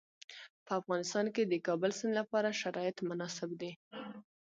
په افغانستان کې د کابل سیند لپاره شرایط مناسب دي.